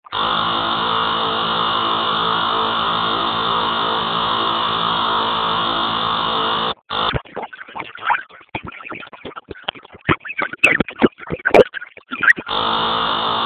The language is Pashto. سندرې د اعصابو ځواک زیاتوي او فشار کموي.